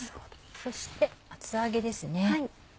そして厚揚げです。